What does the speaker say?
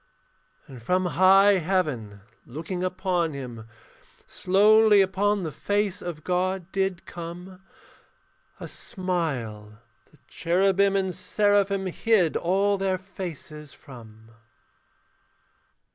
And from high heaven looking upon him, Slowly upon the face of God did come A smile the cherubim and seraphim Hid all their faces from.